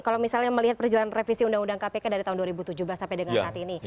kalau misalnya melihat perjalanan revisi undang undang kpk dari tahun dua ribu tujuh belas sampai dengan saat ini